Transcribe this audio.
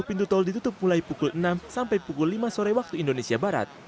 dua pintu tol ditutup mulai pukul enam sampai pukul lima sore waktu indonesia barat